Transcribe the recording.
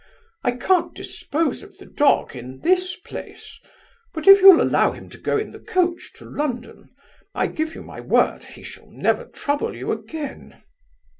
I can't dispose of the dog in this place; but if you'll allow him to go in the coach to London, I give you my word, he shall never trouble you again.